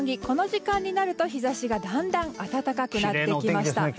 この時間になると日差しがだんだん暖かくなってきました。